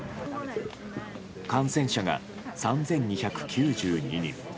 感染者が３２９２人。